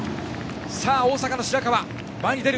大阪の白川が前に出る。